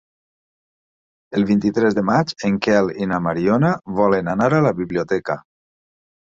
El vint-i-tres de maig en Quel i na Mariona volen anar a la biblioteca.